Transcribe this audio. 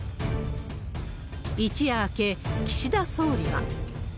一夜明け、岸田総理は。